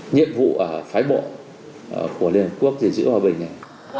nhiệm vụ ở phái bộ của liên hợp quốc gìn giữ hòa bình này